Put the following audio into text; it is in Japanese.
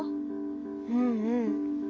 うんうん。